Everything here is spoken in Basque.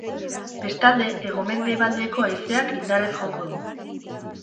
Bestalde, hego-mendebaldeko haizeak indarrez joko du.